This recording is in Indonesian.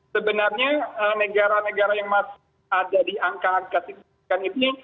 sebenarnya negara negara yang masih ada di angka angka signifikan ini